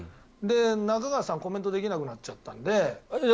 中川さんはコメントできなくなっちゃったので。